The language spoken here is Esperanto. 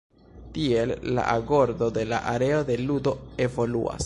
Tiel la agordo de la areo de ludo evoluas.